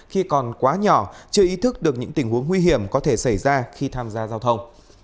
khi còn quá nhỏ chưa ý thức được những tình huống nguy hiểm có thể xảy ra khi tham gia giao thông